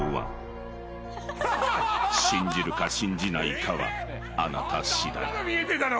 ［信じるか信じないかはあなたしだい］